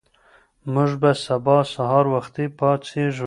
موږ به سبا سهار وختي پاڅېږو.